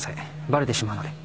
バレてしまうので